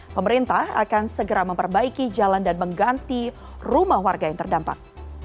pemerintah akan segera memperbaiki jalan dan mengganti rumah warga yang terdampak